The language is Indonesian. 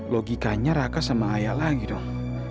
logikanya raka sama ayah lagi dong